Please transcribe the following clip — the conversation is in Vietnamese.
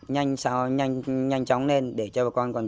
nhanh sao nhanh chóng lên để cho bà con còn